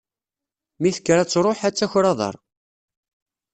Mi tekker ad truḥ, ad taker aḍar.